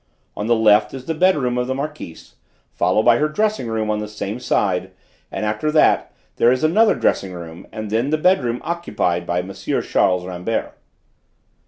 On the left is the bedroom of the Marquise, followed by her dressing room on the same side, and after that there is another dressing room and then the bedroom occupied by M. Charles Rambert."